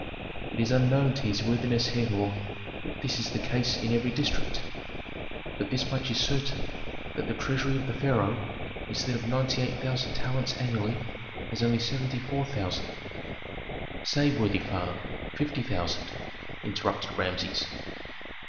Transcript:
"It is unknown to his worthiness Herhor if this is the case in every district. But this much is certain, that the treasury of the pharaoh, instead of ninety eight thousand talents annually, has only seventy four thousand " "Say, worthy father, fifty thousand," interrupted Rameses.